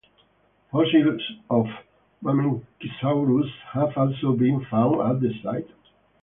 Fossils of "Mamenchisaurus" have also been found at the site.